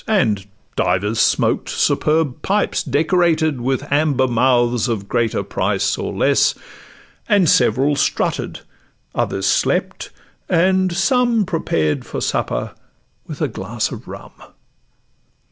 And divers smoked superb pipes decorated With amber mouths of greater price or less; And several strutted, others slept, and some Prepared for supper with a glass of rum.